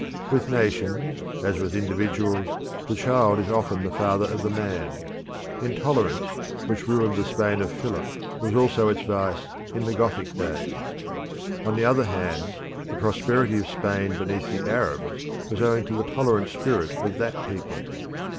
With nations as with individuals, the child is often the father of the man; intolerance, which ruined the Spain of Philip, was also its vice, in the Gothic days. On the other hand, the prosperity of Spain beneath the Arabs was owing to the tolerant spirit of that people.